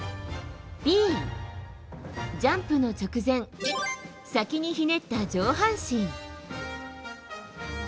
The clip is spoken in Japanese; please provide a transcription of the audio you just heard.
Ｂ、ジャンプの直前先にひねった上半身。